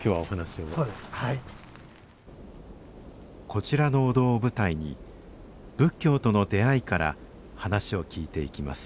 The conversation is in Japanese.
こちらのお堂を舞台に仏教との出会いから話を聞いていきます